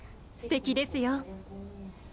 すてきですよ。